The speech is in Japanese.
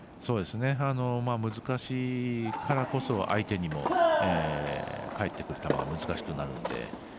難しいからこそ相手にも返ってくる球が難しくなるので。